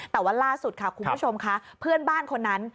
แต่ว่าล่าสุดค่ะคุณผู้ชมค่ะเพื่อนบ้านคนนั้น